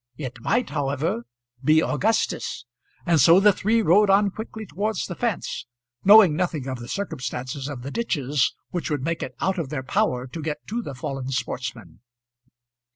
It might however be Augustus, and so the three rode on quickly towards the fence, knowing nothing of the circumstances of the ditches which would make it out of their power to get to the fallen sportsman.